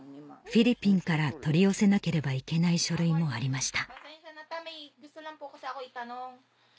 フィリピンから取り寄せなければいけない書類もありました